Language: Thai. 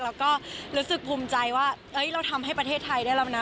แล้วก็รู้สึกภูมิใจว่าเราทำให้ประเทศไทยได้แล้วนะ